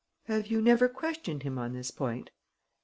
"Have you never questioned him on this point?"